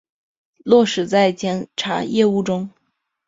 落实在检察业务中